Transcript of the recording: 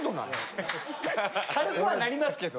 軽くはなりますけど。